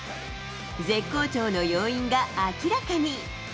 絶好調の要因が明らかに。